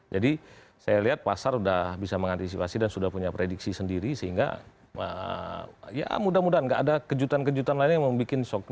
jadi saya lihat pasar sudah bisa mengantisipasi dan sudah punya prediksi sendiri sehingga ya mudah mudahan tidak ada kejutan kejutan lainnya yang membuat soko